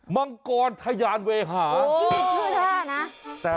มังกรทะยานเวหา